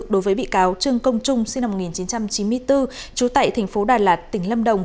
đối với bị cáo trương công trung sinh năm một nghìn chín trăm chín mươi bốn trú tại thành phố đà lạt tỉnh lâm đồng